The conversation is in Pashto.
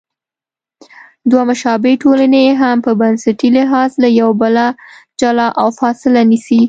دوه مشابه ټولنې هم په بنسټي لحاظ له یو بله جلا او فاصله نیسي.